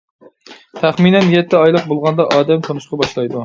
تەخمىنەن يەتتە ئايلىق بولغاندا ئادەم تونۇشقا باشلايدۇ.